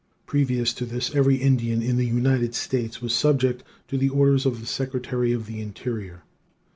Previous to this every Indian in the United States was subject to the orders of the Secretary of the Interior.